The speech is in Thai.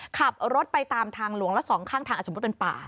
ขับรถไปตามทางหลวงแล้วสองข้างทางสมมุติเป็นป่า